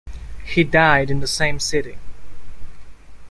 He died in the same city.